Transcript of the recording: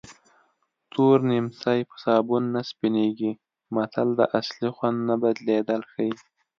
تور نیمڅی په سابون نه سپینېږي متل د اصلي خوی نه بدلېدل ښيي